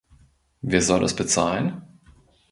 Wer soll das bezahlen?